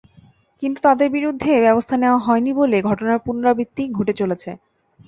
কিন্তু তাদের বিরুদ্ধে ব্যবস্থা নেওয়া হয়নি বলেই ঘটনার পুনরাবৃত্তি ঘটে চলেছে।